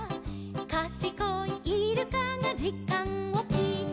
「かしこいイルカがじかんをきいた」